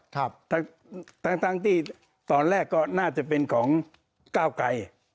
ทั้งทั้งที่ตอนแรกก็น่าจะเป็นของก้าวไกร